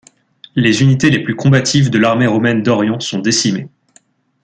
Les unités les plus combatives de l'armée romaine d'Orient sont décimées.